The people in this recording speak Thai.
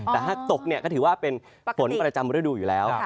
แต่ถ้าตกก็ถือว่าเป็นฝนประจำฤดูอยู่แล้ว